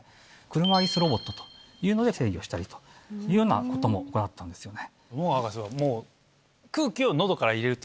車椅子ロボットというので制御したりというようなことも行ったんですよね。